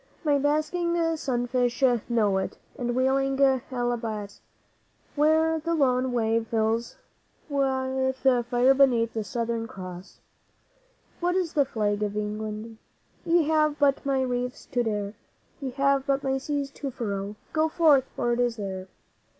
'My basking sunfish know it, and wheeling albatross, Where the lone wave fills with fire beneath the Southern Cross. What is the Flag of England? Ye have but my reefs to dare, Ye have but my seas to furrow. Go forth, for it is there!